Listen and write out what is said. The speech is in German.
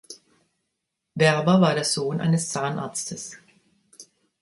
Werber war der Sohn eines Zahnarztes.